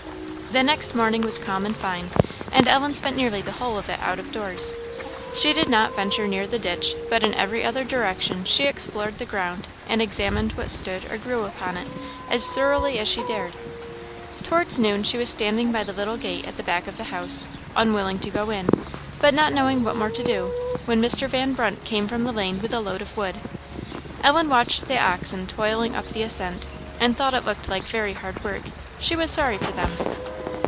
The next morning was calm and fine, and Ellen spent nearly the whole of it out of doors. She did not venture near the ditch, but in every other direction she explored the ground, and examined what stood or grew upon it as thoroughly as she dared. Towards noon she was standing by the little gate at the back of the house, unwilling to go in, but not knowing what more to do, when Mr. Van Brunt came from the lane with a load of wood. Ellen watched the oxen toiling up the ascent, and thought it looked like very hard work; she was sorry for them.